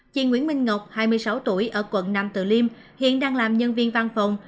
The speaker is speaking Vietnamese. chị nguyễn minh ngọc hai mươi sáu tuổi ở quận nam từ liêm hiện đang làm nhân viên văn phòng